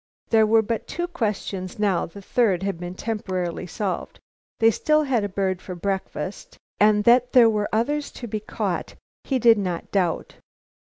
There were but two questions now; the third had been temporarily solved; they still had a bird for breakfast, and that there were others to be caught he did not doubt.